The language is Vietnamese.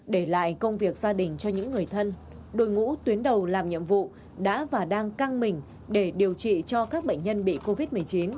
để lại công việc gia đình cho những người thân đội ngũ tuyến đầu làm nhiệm vụ đã và đang căng mình để điều trị cho các bệnh nhân bị covid một mươi chín